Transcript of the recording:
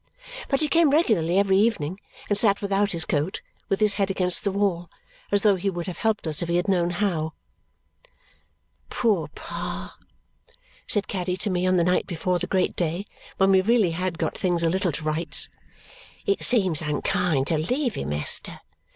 But he came regularly every evening and sat without his coat, with his head against the wall, as though he would have helped us if he had known how. "Poor Pa!" said Caddy to me on the night before the great day, when we really had got things a little to rights. "It seems unkind to leave him, Esther.